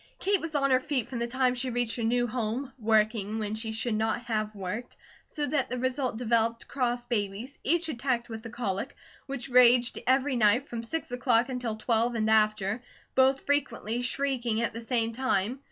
Kate was on her feet from the time she reached her new home, working when she should not have worked; so that the result developed cross babies, each attacked with the colic, which raged every night from six o'clock until twelve and after, both frequently shrieking at the same time.